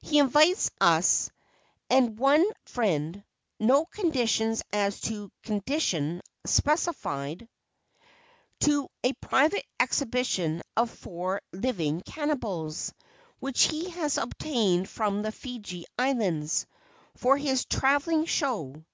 He invites us "and one friend" no conditions as to "condition" specified to a private exhibition of four living cannibals, which he has obtained from the Fiji Islands, for his travelling show.